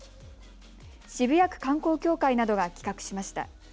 渋谷区観光協会などが企画しました。